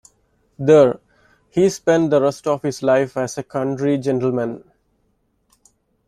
There, he spent the rest of his life as a country gentleman.